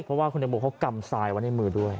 เพราะว่าคุณตังโมเขากำทรายไว้ในมือด้วย